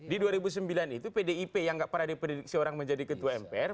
di dua ribu sembilan itu pdip yang nggak pernah diprediksi orang menjadi ketua mpr